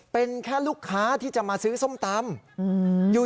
เป็นแค่ลูกค้าที่จะมาซื้อส้มตำ